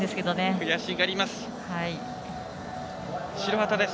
悔しがります。